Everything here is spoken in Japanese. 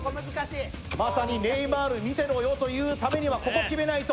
まさにネイマール、見てろよというためには、ここを決めないと。